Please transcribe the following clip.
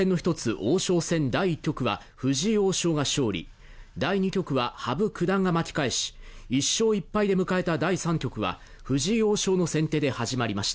王将戦第１局は、藤井王将が勝利、第２局は羽生九段が巻き返し、１勝１敗で迎えた第３局は藤井王将の先手で始まりました。